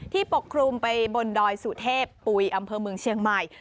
ปกคลุมไปบนดอยสุเทพปุ๋ยอำเภอเมืองเชียงใหม่